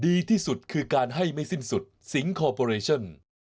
ดีที่สุดคือการให้ไม่สิ้นสุดสิงคอร์ปอเรชั่น